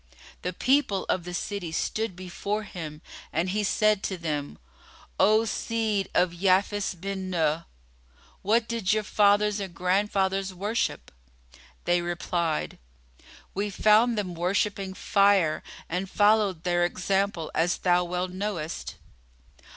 The people of the city stood before him and he said to them, "O seed of Yafis bin Nuh, what did your fathers and grandfathers worship?" They replied, "We found them worshipping Fire and followed their example, as thou well knowest."